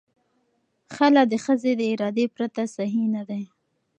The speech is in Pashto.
خلع د ښځې د ارادې پرته صحیح نه دی.